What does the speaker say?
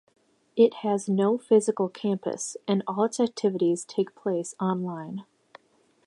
It has no physical campus and all its activities take place online.